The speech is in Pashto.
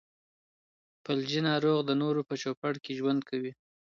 فلجي ناروغ د نورو په چوپړ کې ژوند کوي.